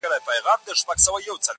هره ورځ به نه وي غم د اردلیانو؛